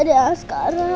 ada yang menangis di sana